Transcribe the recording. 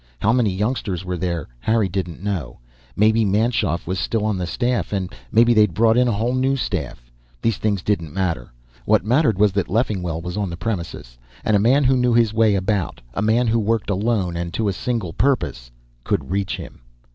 How many youngsters were there, Harry didn't know. Maybe Manschoff was still on the staff, and maybe they'd brought in a whole new staff. These things didn't matter. What mattered was that Leffingwell was on the premises. And a man who knew his way about, a man who worked alone and to a single purpose, could reach him.